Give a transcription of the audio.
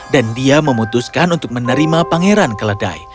dan dia memutuskan untuk menerima pangeran keledai